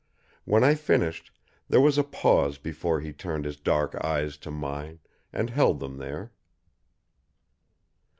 When I finished there was a pause before he turned his dark eyes to mine, and held them there.